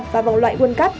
và vòng loại world cup